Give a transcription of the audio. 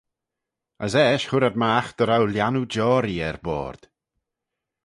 As eisht hooar ad magh dy row lhiannoo-joarree er boayrd.